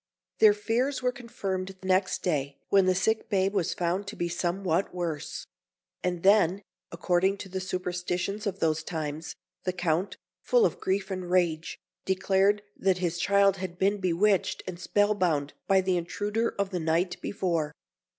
Their fears were confirmed next day, when the sick babe was found to be somewhat worse; and then, according to the superstitions of those times, the Count, full of grief and rage, declared that his child had been bewitched and spellbound by the intruder of the night before.